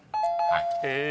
［はい］